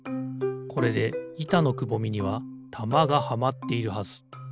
これでいたのくぼみにはたまがはまっているはず。